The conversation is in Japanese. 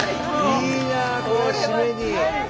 いいなこれ締めに。